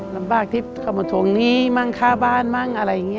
ลำบากที่เขามาทวงหนี้มั่งค่าบ้านมั่งอะไรอย่างนี้